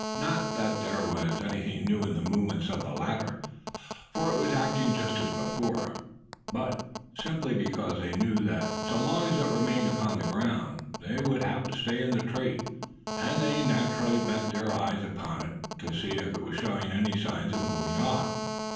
Not that there was anything new in the movements of the latter for it was acting just as before but simply because they knew that, so long as it remained upon the ground, they would have to stay in the tree; and they naturally bent their eyes upon it, to see if it was showing any signs of moving off.